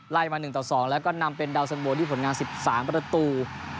มา๑ต่อ๒แล้วก็นำเป็นดาวสันโวที่ผลงาน๑๓ประตู